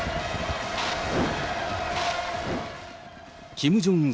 キム・ジョンウン